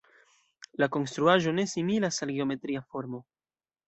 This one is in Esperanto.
La konstruaĵo ne similas al geometria formo.